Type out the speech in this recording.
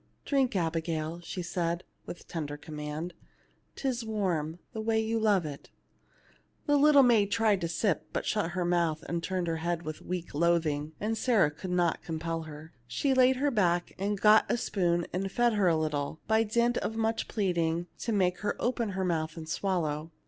"Drink, Abigail," she said, with tender command. "'Tis warm ŌĆö the way you love it." 247 THE LITTLE MAID AT THE DOOR The little maid tried to sip, but shut her month, and turned her head with weak loathing, and Sarah could not compel her. She laid her back, and got a spoon and fed her a little, by dint of much pleading to make her open her mouth and swallow.